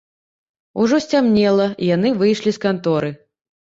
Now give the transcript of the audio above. Ужо сцямнела, і яны выйшлі з канторы.